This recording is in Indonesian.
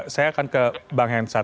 saya akan ke bang hensat